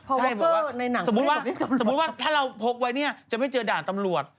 พ่อวอเกอร์สมมติว่าถ้าเราพกไว้เนี่ยจะไม่เจอด่านตำรวจ